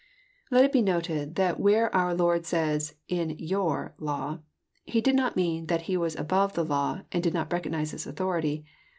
Let it be noted, that where our Lord says in youb law, He did not mean that He was above the law and did not recogw nize its authority.